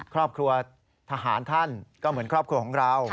ครอบครัวทหารท่านก็เหมือนครอบครัวของเรา